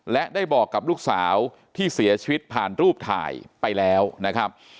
และได้บอกกับลูกสาวที่เสียชีวิตผ่านรูปถ่ายไปแล้วนะครับ